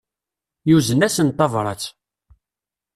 Yuzen-as-n tabrat.